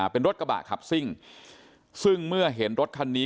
เป็นรถกระบะขับซิ่งซึ่งเมื่อเห็นรถคันนี้